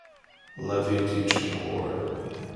Levy Teaching Award.